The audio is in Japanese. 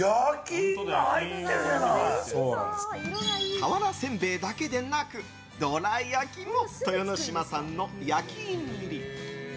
瓦せんべいだけでなくどら焼きも豊ノ島さんの焼印入り。